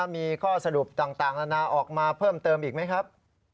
มีข้อสรุปต่างนานาออกมาเพิ่มเติมอีกไหมครับ